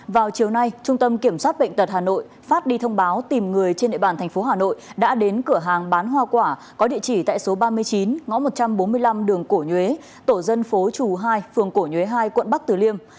vào chiều nay trung tâm kiểm soát bệnh tật hà nội phát đi thông báo tìm người trên địa bàn thành phố hà nội đã đến cửa hàng bán hoa quả có địa chỉ tại số ba mươi chín ngõ một trăm bốn mươi năm đường cổ nhuế tổ dân phố chủ hai phường cổ nhuế hai quận bắc tử liêm